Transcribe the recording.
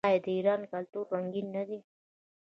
آیا د ایران کلتور رنګین نه دی؟